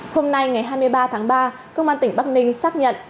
hôm nay ngày hai mươi ba tháng ba công an tỉnh bắc ninh xác nhận